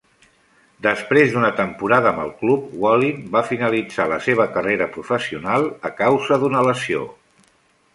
Després d'una temporada amb el club, Wallin va finalitzar la seva carrera professional a causa d'una lesió.